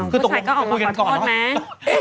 อือผู้ชายก็ออกมาขอโทษนะ